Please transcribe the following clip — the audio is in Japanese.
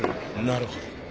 なるほど。